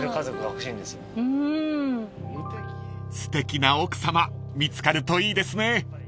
［すてきな奥さま見つかるといいですね］